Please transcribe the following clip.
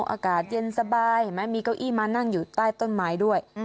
อากาศเย็นสบายเห็นไหมมีเก้าอี้มานั่งอยู่ใต้ต้นไม้ด้วย